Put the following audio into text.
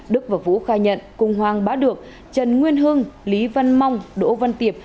đức và vũ khai nhận cùng hoàng bá được trần nguyên hưng lý văn mong đỗ văn tiệp